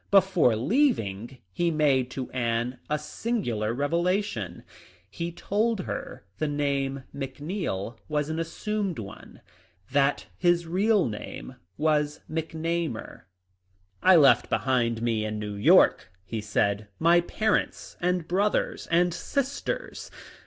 Before leaving he made to Anne a singular reve lation. He told her the name McNeil was an assumed one ; that his real name was McNamar. THE LIFE OF tmCOLN. 133 " I left behind me in New York," he said, " my parents and brothers and sisters.